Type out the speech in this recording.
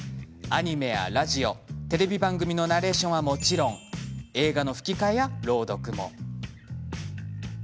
アニメやラジオ、テレビ番組のナレーションはもちろん映画の吹き替えや朗読も。